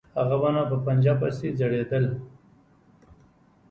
هغه به نو په پنجه پسې ځړېدل.